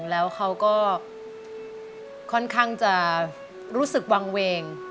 แล้วเขาก็ค่อนข้างจะรู้สึกวางเวง